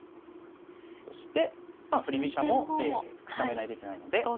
そしてまあ振り飛車も固めないといけないので。